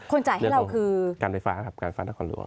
จ่ายให้เราคือการไฟฟ้าครับการไฟฟ้านครหลวง